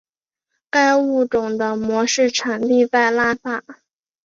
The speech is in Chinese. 该物种的模式产地在拉萨。